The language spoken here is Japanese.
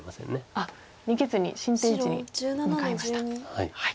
あっ逃げずに新天地に向かいました。